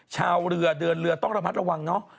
ชาวเรือเดินเรือต้องระมัดระวังเนาะ